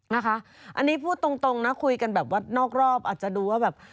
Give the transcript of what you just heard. นะคะอันนี้พูดตรงนะคุยกันแบบว่านอกรอบอาจจะดูว่าแบบ